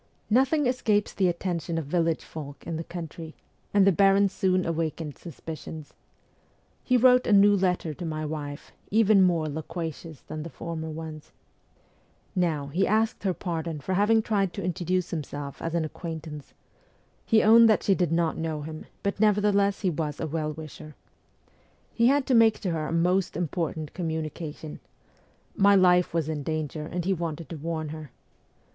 Nothing escapes the attention of village folk in the country, and the baron soon awakened suspicions. He wrote a new letter to my wife, even more loquacious than the former ones. Now, he asked her pardon for having tried to introduce himself as an acquaintance. He owned that she did not know him ; but nevertheless he was a well wisher. He had to make to her a most important communication. My life was in danger and he wanted to warn her.